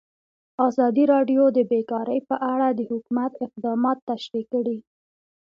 ازادي راډیو د بیکاري په اړه د حکومت اقدامات تشریح کړي.